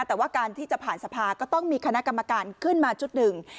แต่ว่าการที่จะผ่านสภาก็ต้องมีคณะกรรมการขึ้นมาชุดหนึ่ง